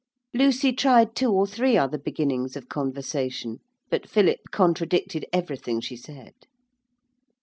Lucy tried two or three other beginnings of conversation, but Philip contradicted everything she said.